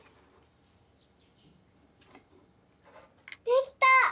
できた！